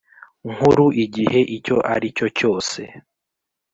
Nkuru igihe icyo ari cyo cyose